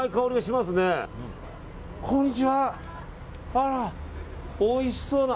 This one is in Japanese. あら、おいしそうな。